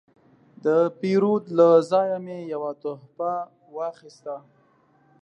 د پیرود له ځایه مې یو تحفه واخیسته.